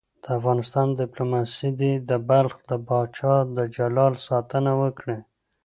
د افغانستان دیپلوماسي دې د بلخ د پاچا د جلال ساتنه وکړي.